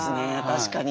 確かに。